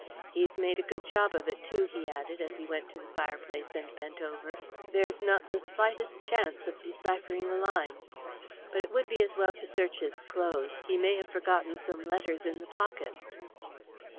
"He's made a good job of it too," he added, as he went to the fireplace and bent over it. "There's not the slightest chance of deciphering a line. But it would be as well to search his clothes. He may have forgotten some letters in the pockets."